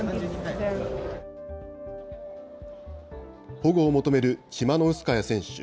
保護を求めるチマノウスカヤ選手。